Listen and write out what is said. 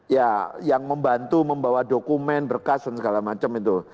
ya yang membantu membawa dokumen berkas dan segala macam itu